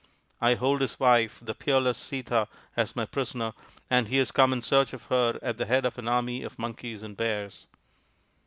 I hold his wife, the peerless Sita, as my prisoner, and he has come in search of her at the head of an army of Monkeys and Bears."